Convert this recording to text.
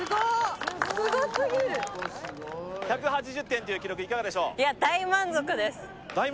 １８０点という記録、いかがでしょう？